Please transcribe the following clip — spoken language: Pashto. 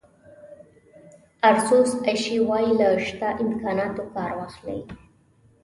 آرثور اشي وایي له شته امکاناتو کار واخلئ.